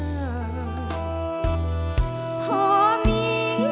เพลงที่สองเพลงมาครับ